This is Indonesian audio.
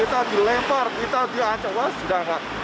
kita dilempar kita diancawas sudah enggak